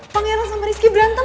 pengiran sama rizky berantem